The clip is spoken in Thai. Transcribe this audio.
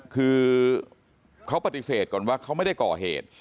คือเขาปฏิเสธก่อนว่าเขาไม่ได้ก่อเหตุ